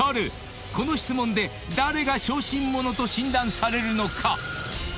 ［この質問で誰が小心者と診断されるのか？］